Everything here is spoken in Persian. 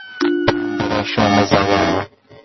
پنبه راشانه زدن